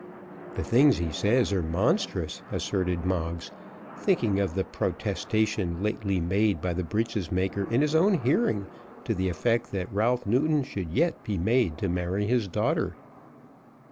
"The things he says are monstrous," asserted Moggs, thinking of the protestation lately made by the breeches maker in his own hearing, to the effect that Ralph Newton should yet be made to marry his daughter.